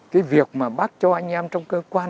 cái việc mà bác cho anh em trong cơ quan